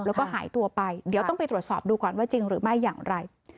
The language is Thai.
แล้วก็หายตัวไปเดี๋ยวต้องไปตรวจสอบดูก่อนว่าจริงหรือไม่อย่างไร